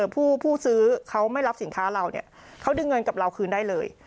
ผู้ซื้อเขาไม่รับสินค้าเราเขาดึงเงินกับเราคืนได้เลย